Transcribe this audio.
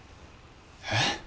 えっ？